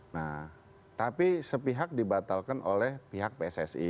nah tapi sepihak dibatalkan oleh pihak pssi